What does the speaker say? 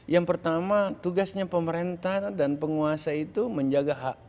yang pertama tugasnya pemerintah dan penguasa itu menjaga hak